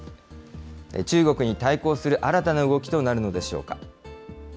中国に対抗する新たな動きとなるのでしょうか。